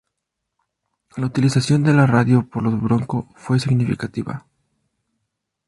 La utilización de la radio por los Bronco fue significativa.